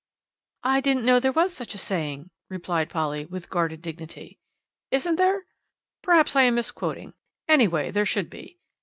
"I didn't know there was such a saying," replied Polly, with guarded dignity. "Isn't there? Perhaps I am misquoting; anyway, there should be.